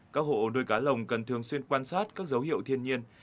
các hộ nuôi cá lồng cần thường xuyên quan sát các dấu hiệu thiên nhiên